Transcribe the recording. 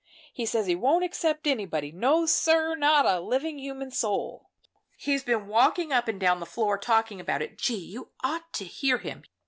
He says he won't except anybody no, sir, not a living human soul! He's been walking up and down the floor talking about it. Gee! you ought to hear him.